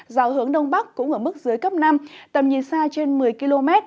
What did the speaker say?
giáo hướng đông bắc cũng ở mức dưới cấp năm tầm nhìn xa trên một mươi km